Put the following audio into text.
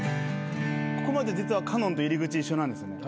ここまで実はカノンと入り口一緒なんですね。